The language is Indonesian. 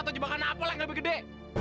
atau jebakan apel yang lebih gede